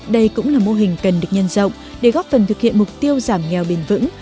đây cũng là mô hình cần được nhân rộng để góp phần thực hiện mục tiêu giảm nghèo bền vững